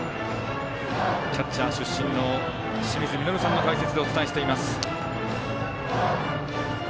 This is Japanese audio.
キャッチャー出身の清水稔さんの解説でお伝えしています。